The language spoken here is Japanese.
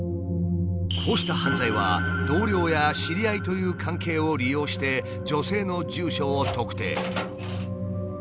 こうした犯罪は同僚や知り合いという関係を利用して女性の住所を特定。